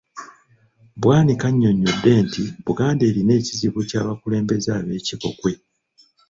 Bwanika annyonnyodde nti Buganda erina ekizibu ky’abakulembeze abeekibogwe.